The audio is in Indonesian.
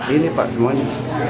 ini pak semuanya